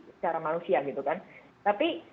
secara manusia tapi